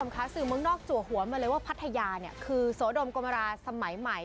ค่ะสื่อเมืองนอกจัวหัวมาเลยว่าพัทยาเนี่ยคือโสดมกรมราสมัยใหม่